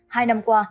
hai năm qua